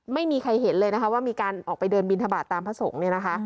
ไม่มีใครเห็นเลยนะคะว่ามีการออกไปเดินบินทบาทตามพระสงฆ์เนี่ยนะคะ